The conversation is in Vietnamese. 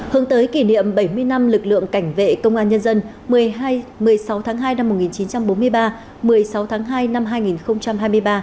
hướng tới kỷ niệm bảy mươi năm lực lượng cảnh vệ công an nhân dân một mươi sáu tháng hai năm một nghìn chín trăm bốn mươi ba một mươi sáu tháng hai năm hai nghìn hai mươi ba